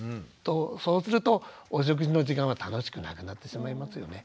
そうするとお食事の時間は楽しくなくなってしまいますよね。